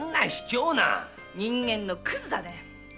人間のクズだね。